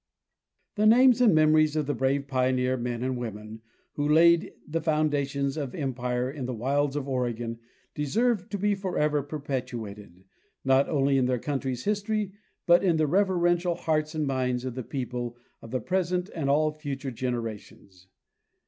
The names and memories of the brave pioneer men and women who laid the foundations of empire in the wilds of Oregon de serve to be forever perpetuated, not only in their country's his tory, but in the reverential hearts and minds of the people of the present and all future generations.